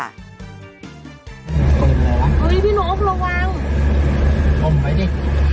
เฮ้ยพี่หนูโอ๊คระวังอ่อไปดิ